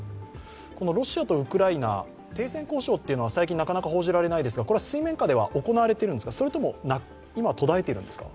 ロシアとウクライナ停戦交渉というのは最近、なかなか報じられないですがこれは水面下では行われているんですか、それとも今は途絶えているんですか？